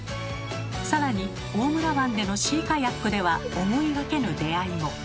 更に大村湾でのシーカヤックでは思いがけぬ出会いも。